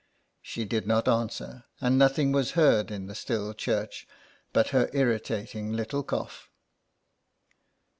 She did not answer, and nothing was heard in the still church but her irritating little cough.